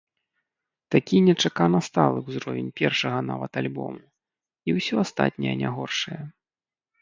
Такі нечакана сталы ўзровень першага нават альбому і ўсё астатняе не горшае.